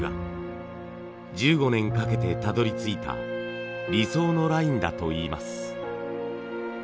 １５年かけてたどりついた理想のラインだといいます。